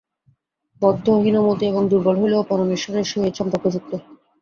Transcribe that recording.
বদ্ধ, হীনমতি এবং দুর্বল হইলেও পরমেশ্বরের সহিত সম্পর্কযুক্ত।